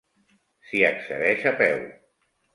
S'hi accedeix a peu.